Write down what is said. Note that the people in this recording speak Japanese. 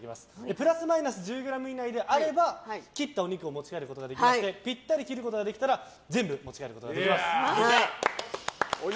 プラスマイナス１０ｇ以内であれば切ったお肉を持ち帰ることができまして３００ｇぴったりに切ることができればお肉の塊全てお持ち帰りいただけます。